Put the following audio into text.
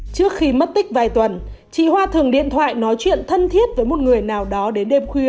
trước khi mất tích vài tuần chị hoa thường điện thoại nói chuyện thân thiết với một người nào đó đến đêm khuya